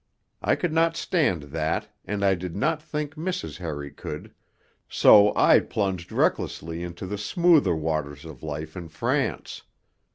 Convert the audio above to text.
I could not stand that, and I did not think Mrs. Harry could, so I plunged recklessly into the smoother waters of life in France.